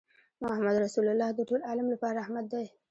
محمدُ رَّسول الله د ټول عالم لپاره رحمت دی